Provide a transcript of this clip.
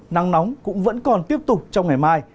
nắng nóng cũng vẫn còn tiếp tục trong ngày mai